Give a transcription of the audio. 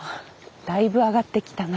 だいぶ上がってきたな。